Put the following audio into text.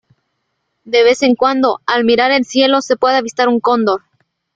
De vez en cuando, al mirar el cielo se puede avistar un cóndor.